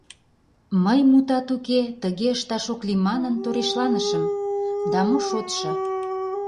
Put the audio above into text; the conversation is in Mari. Мый, мутат уке, тыге ышташ ок лий манын, торешланышым, да мо шотшо.